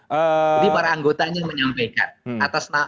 jadi para anggotanya menyampaikan